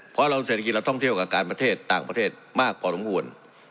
เพราะเราเศรษฐกิจเราท่องเที่ยวกับการประเทศต่างประเทศมากพอสมควร